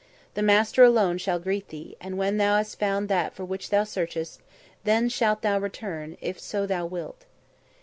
The master alone shall greet thee, and when thou hast found that for which thou searchest, then shalt thou return, if so thou wilt."